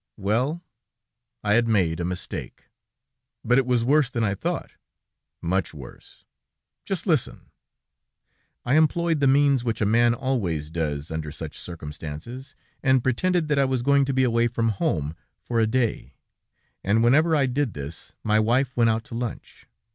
Well, I had made a mistake, but it was worse than I thought, much worse. Just listen. I employed the means which a man always does under such circumstances, and pretended that I was going to be away from home for a day, and whenever I did this my wife went out to lunch.